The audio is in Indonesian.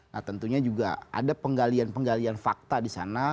nah tentunya juga ada penggalian penggalian fakta di sana